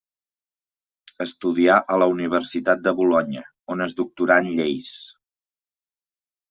Estudià a la Universitat de Bolonya, on es doctorà en lleis.